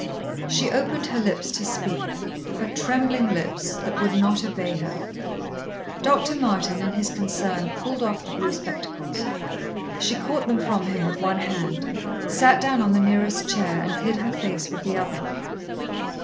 She opened her lips to speak; her trembling lips, that would not obey her. Dr. Martin, in his concern, pulled off the blue spectacles. She caught them from him with one hand, sat down on the nearest chair, and hid her face with the other.